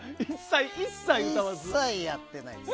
一切やってないです。